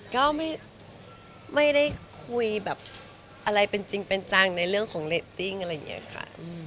ก็ไม่ได้คุยแบบอะไรเป็นจริงเป็นจังในเรื่องของเรตติ้งอะไรอย่างนี้ค่ะ